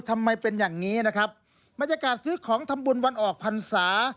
ทำไมเป็นอย่างนี้นะครับบรรยากาศซื้อของทำบุญวันออกพรรษา